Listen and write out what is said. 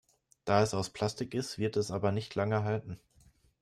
Da es aus Plastik ist, wird es aber nicht lange halten.